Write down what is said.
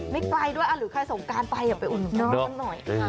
ไม่ไกลด้วยอ่ะหรือใครสงการไปอย่าไปอุดหนดประโยชน์